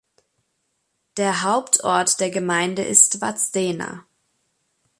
Der Hauptort der Gemeinde ist Vadstena.